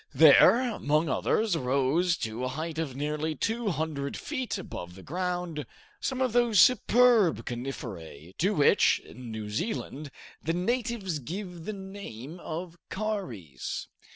There, among others, rose, to a height of nearly 200 feet above the ground, some of those superb coniferae, to which, in New Zealand, the natives give the name of Kauris.